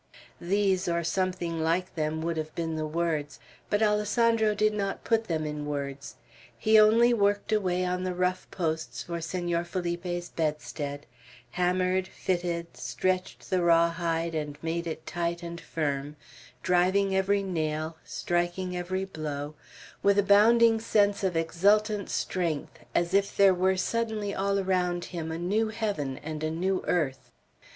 These, or something like them, would have been the words; but Alessandro did not put them in words. He only worked away on the rough posts for Senor Felipe's bedstead, hammered, fitted, stretched the raw hide and made it tight and firm, driving every nail, striking every blow, with a bounding sense of exultant strength, as if there were suddenly all around him a new heaven and a new earth.